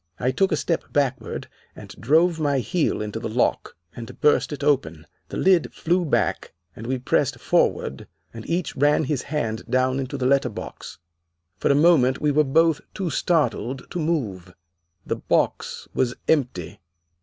I took a step backward and drove my heel into the lock, and burst it open. The lid flew back, and we pressed forward, and each ran his hand down into the letterbox. For a moment we were both too startled to move. The box was empty.